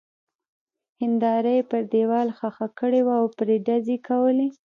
هېنداره يې پر دېوال ښخه کړې وه او پرې ډزې کولې.